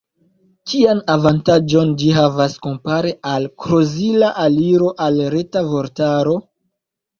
Kian avantaĝon ĝi havas kompare al krozila aliro al Reta Vortaro?